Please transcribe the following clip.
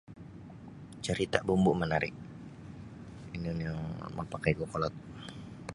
Carita bumbu manari ino nio mapakaiku kokolod.